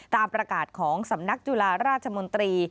ตามประกาศของสำนักจุฬาราชมนตรี